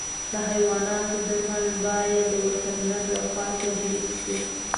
د حیواناتو درمل باید د وترنر له خوا تجویز شي.